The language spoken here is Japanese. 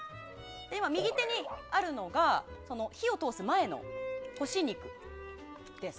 右手にあるのが火を通す前の干し肉です。